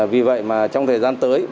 vì vậy trong thời gian tới